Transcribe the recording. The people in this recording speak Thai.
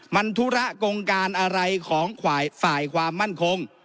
มันธุระกงการอะไรของฝ่ายความมั่นคง